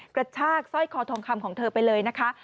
กระชากสร้อยคอทองคำของเธอไปเลยนะคะ